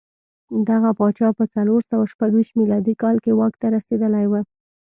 دغه پاچا په څلور سوه شپږ ویشت میلادي کال کې واک ته رسېدلی و